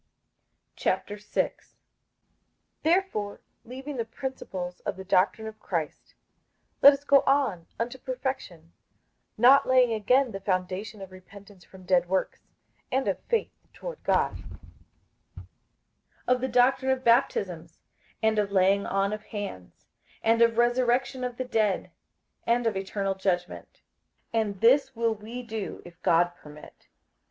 58:006:001 Therefore leaving the principles of the doctrine of Christ, let us go on unto perfection; not laying again the foundation of repentance from dead works, and of faith toward God, 58:006:002 Of the doctrine of baptisms, and of laying on of hands, and of resurrection of the dead, and of eternal judgment. 58:006:003 And this will we do, if God permit.